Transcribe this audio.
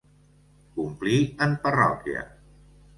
Complir en parròquia.